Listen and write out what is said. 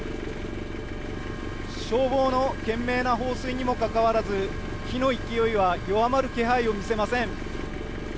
消防の懸命な放水にもかかわらず火の勢いは弱まる気配を見せません。